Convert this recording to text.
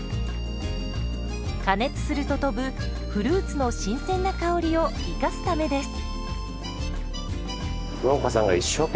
加熱すると飛ぶフルーツの新鮮な香りを生かすためです。